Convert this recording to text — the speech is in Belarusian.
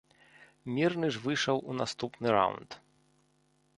Мірны ж выйшаў у наступны раўнд.